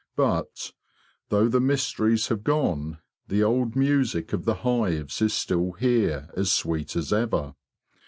But, though the mysteries have gone, the old music of the hives is still here as sweet as ever.